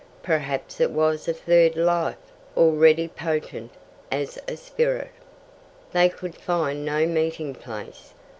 Perhaps it was a third life, already potent as a spirit. They could find no meeting place.